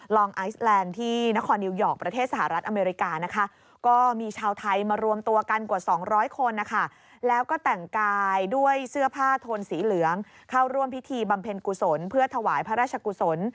พิธีบำเพ็ญกุศลเพื่อถวายพระราชกุศล